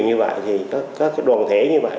như vậy thì có đoàn thể như vậy